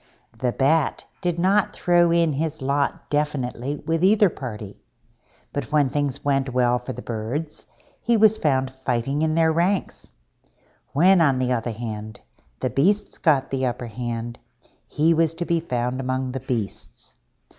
The Bat did not throw in his lot definitely with either party, but when things went well for the Birds he was found fighting in their ranks; when, on the other hand, the Beasts got the upper hand, he was to be found among the Beasts.